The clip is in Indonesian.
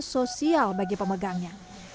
sosial bagi pemegangnya